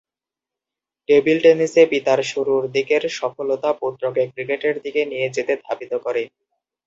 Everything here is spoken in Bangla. টেবিল টেনিসে পিতার শুরুরদিকের সফলতা পুত্রকে ক্রিকেটের দিকে নিয়ে যেতে ধাবিত করে।